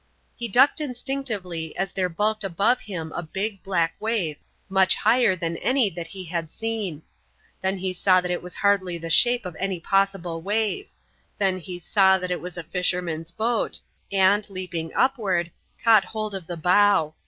He ducked instinctively as there bulked above him a big, black wave, much higher than any that he had seen. Then he saw that it was hardly the shape of any possible wave. Then he saw that it was a fisherman's boat, and, leaping upward, caught hold of the bow.